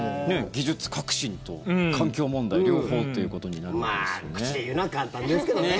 技術革新と環境問題両方ということになりますよね。